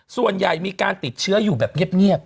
ส่วนใหญ่มีการติดเชื้ออยู่แบบเงียบ